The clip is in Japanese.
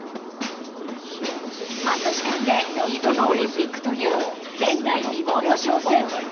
半年間で２度のオリンピックという前代未聞の挑戦。